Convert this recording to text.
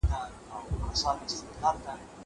زه له سهاره زده کړه کوم.